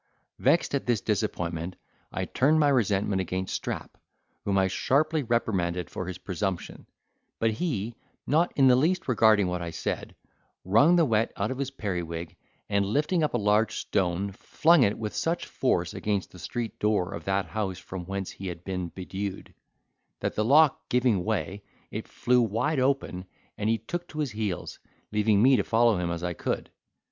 Vexed at this disappointment, I turned my resentment against Strap, whom I sharply reprimanded for his presumption; but he, not in the least regarding what I said, wrung the wet out of his periwig, and lifting up a large stone, flung it with such force against the street door of that house from whence he had been bedewed, that the lock giving way, it flew wide open, and he took to his heels, leaving me to follow him as I could.